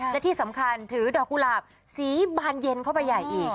และที่สำคัญถือดอกกุหลาบสีบานเย็นเข้าไปใหญ่อีก